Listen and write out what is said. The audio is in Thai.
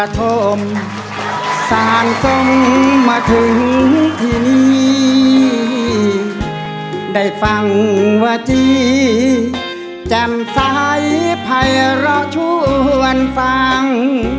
จี๊ได้ฟังว่าจี๊แจ้มใส่ไผ่เราชวนฟัง